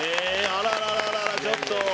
あらららららちょっと。